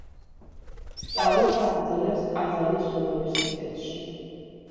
სწავლას აგრძელებს ყაზანის უნივერსიტეტში.